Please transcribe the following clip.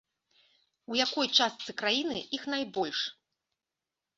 У якой частцы краіны іх найбольш?